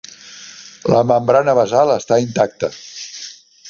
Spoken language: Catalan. La membrana basal està intacta.